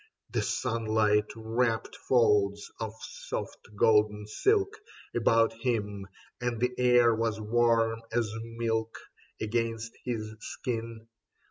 The sunlight wrapped folds of soft golden silk About him, and the air was warm as milk Against his skin.